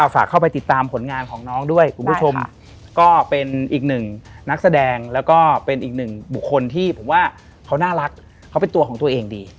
ฝากเข้าไปติดตามผลงานของน้องด้วยคุณผู้ชมก็เป็นอีกหนึ่งนักแสดงแล้วก็เป็นอีกหนึ่งบุคคลที่ผมว่าเขาน่ารักเขาเป็นตัวของตัวเองดี